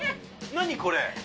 何これ？